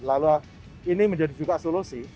lalu ini menjadi juga solusi